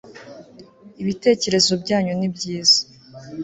ibitekerezo byanyu ni byiza